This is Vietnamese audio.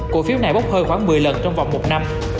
cổ phiếu này bốc hơi khoảng một mươi lần trong vòng một năm